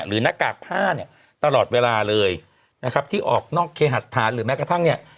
หน้ากากผ้าเนี่ยตลอดเวลาเลยนะครับที่ออกนอกเคหาสถานหรือแม้กระทั่งเนี่ย